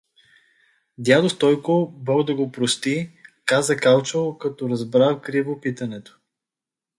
Дядо Стойко, бог да го прости… — каза Калчо, като разбра криво питането.